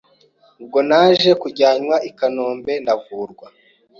Ubwo naje kujyanwa I kanombe ndavurwa